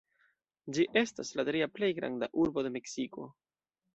Ĝi estas la tria plej granda urbo de Meksiko.